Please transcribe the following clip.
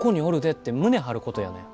って胸張ることやねん。